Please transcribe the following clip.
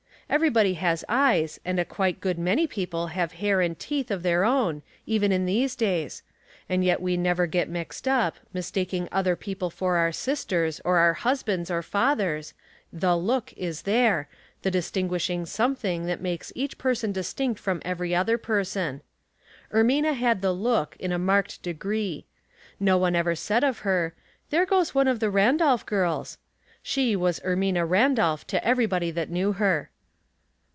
Everybody has eyes, and quite a 240 Household Puzzles, good many people have hair and teeth of theii own, even in these days ; and yet we never get mixed up, mistaking other people for our sisters, or our husbands or fathers — the look is there, the disting^uishino^ something: that makes each person distinct from every other person. Er mina had the look, in a marked degree. No one ever said of her, " There goes one of the Ran dolph girls.'* She was Ermina Randolph to everybody that knew her.